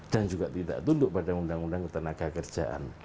dan juga tidak tuntuk pada undang undang tenaga kerjaan